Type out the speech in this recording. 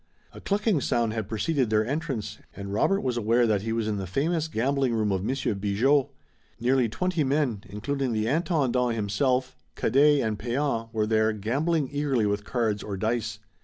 A clicking sound had preceded their entrance, and Robert was aware that he was in the famous gambling room of Monsieur Bigot. Nearly twenty men, including the Intendant himself, Cadet and Pean, were there, gambling eagerly with cards or dice.